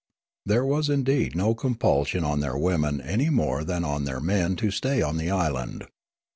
There was indeed no compulsion on their women any more than on their men to stay on the island.